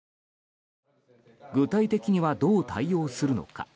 具体的には、どう対応するのか。